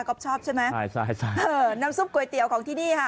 ก็ชอบใช่ไหมใช่ใช่เออน้ำซุปก๋วยเตี๋ยวของที่นี่ค่ะ